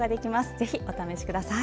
ぜひお試しください。